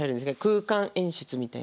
空間演出みたいな。